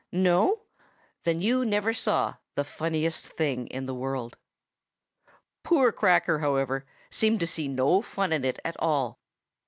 No? Then you never saw the funniest thing in the world. Poor Cracker, however, seemed to see no fun in it at all.